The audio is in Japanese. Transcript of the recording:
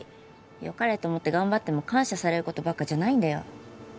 良かれと思って頑張っても感謝される事ばっかじゃないんだよ。